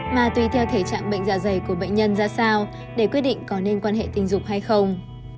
mà tùy theo thể trạng bệnh dạ dày của bệnh nhân ra sao để quyết định có nên quan hệ tình dục hay không